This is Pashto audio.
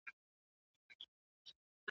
د واده وليمه بايد څو ورځې دوام وکړي؟